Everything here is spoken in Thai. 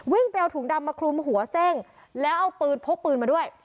ไปเอาถุงดำมาคลุมหัวเส้งแล้วเอาปืนพกปืนมาด้วย